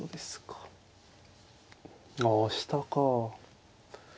ああ下か。